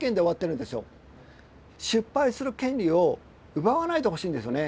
失敗する権利を奪わないでほしいんですよね。